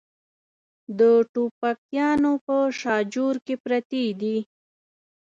د ټوپکیانو په شاجور کې پرتې دي.